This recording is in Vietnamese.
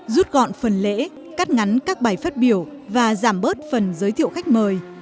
rút gọn phần lễ cắt ngắn các bài phát biểu và giảm bớt phần giới thiệu khách mời